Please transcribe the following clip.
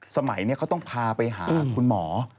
สมัยนี้เขาต้องพาไปหาคุณหมอ